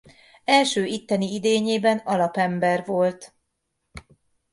Első itteni idényében alapember volt.